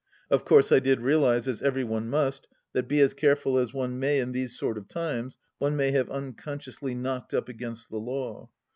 Of course I did realize, as every one must, that be as careful as one may in these sort of times, one may have unconsciously knocked up against the law.